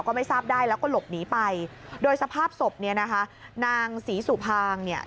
ก็ไม่ทราบได้แล้วก็หลบหนีไปโดยสภาพศพเนี่ยนะคะนางศรีสุภางเนี่ย